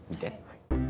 はい。